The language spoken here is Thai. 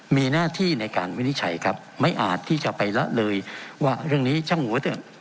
มีหน้าที่ในการวินิจฉัยครับไม่อาจที่จะไปละเลยว่าเรื่องนี้ช่างหัวเถอะ